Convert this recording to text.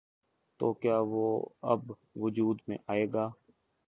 تو کیا وہ اب وجود میں آئے گا؟